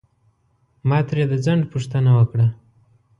ما ترې د ځنډ پوښتنه وکړه.